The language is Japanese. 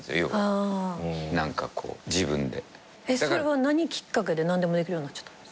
それは何きっかけで何でもできるようになっちゃった？